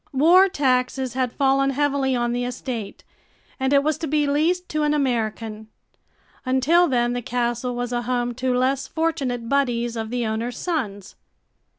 War taxes had fallen heavily on the estate and it was to be leased to an American. Until then, the castle was a home to less fortunate buddies of the owner's sons.